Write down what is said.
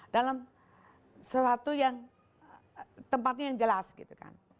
dalam tempat yang jelas